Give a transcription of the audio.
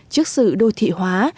trước sự đô thị hóa